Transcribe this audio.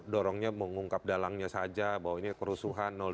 satu dorongnya mengungkap dalangnya saja bahwa ini kerusuhan